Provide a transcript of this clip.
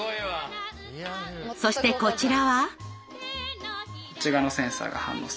そしてこちらは。